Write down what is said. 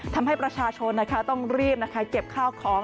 ทำให้ประชาชนต้องรีบเก็บข้าวของ